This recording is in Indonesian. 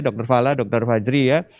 dr fala dr fajri ya